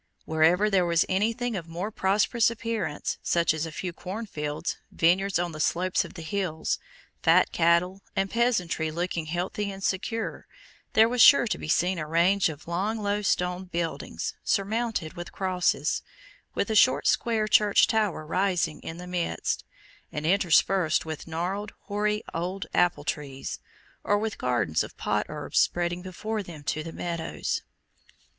Wherever there was anything of more prosperous appearance, such as a few cornfields, vineyards on the slopes of the hills, fat cattle, and peasantry looking healthy and secure, there was sure to be seen a range of long low stone buildings, surmounted with crosses, with a short square Church tower rising in the midst, and interspersed with gnarled hoary old apple trees, or with gardens of pot herbs spreading before them to the meadows.